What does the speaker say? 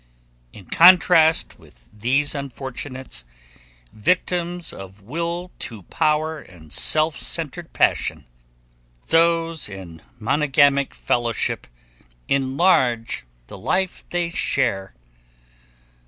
In contrast with these unfortunates, victims of will to power and self centered passion, those in monogamic fellowship enlarge the life they share.